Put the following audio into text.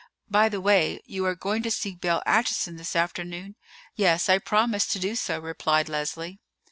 "By the way, you are going to see Belle Acheson this afternoon?" "Yes; I promised to do so," replied Leslie.